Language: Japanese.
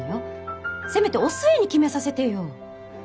せめてお寿恵に決めさせてよ。